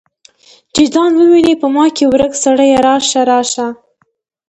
چې ځان وویني په ما کې ورک سړیه راشه، راشه